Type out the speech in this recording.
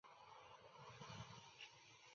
曾在法国国家自然史博物馆担任教授。